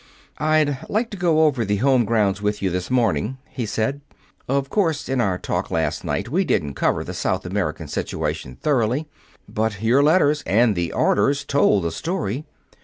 "I'd like to go over the home grounds with you this morning," he said. "Of course, in our talk last night, we didn't cover the South American situation thoroughly. But your letters and the orders told the story.